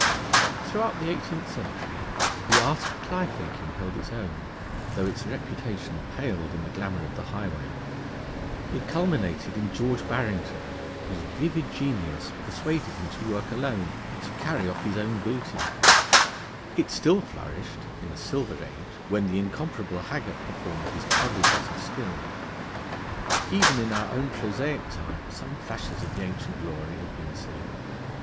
Throughout the eighteenth century the art of cly faking held its own, though its reputation paled in the glamour of the highway. It culminated in George Barrington, whose vivid genius persuaded him to work alone and to carry off his own booty; it still flourished (in a silver age) when the incomparable Haggart performed his prodigies of skill; even in our prosaic time some flashes of the ancient glory have been seen.